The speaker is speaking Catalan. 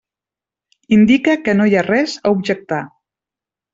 Indica que no hi ha res a objectar.